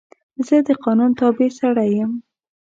زه د قانون تابع سړی یم.